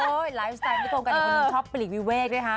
โอ๊ยไลฟ์สไตล์ที่โครงการอีกคนหนึ่งชอบปรีกวิเวกนี่ฮะ